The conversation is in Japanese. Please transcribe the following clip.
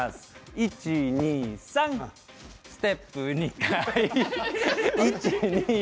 １、２、３、ステップ２回。